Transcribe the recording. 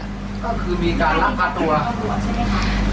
ก็คือมีการรับขาตัว